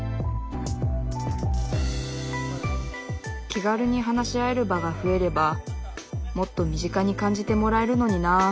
気軽に話し合える場が増えればもっと身近に感じてもらえるのになあ